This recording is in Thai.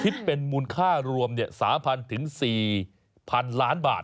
คิดเป็นมูลค่ารวม๓๐๐ถึง๔๐๐๐ล้านบาท